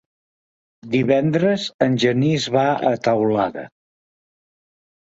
Divendres en Genís va a Teulada.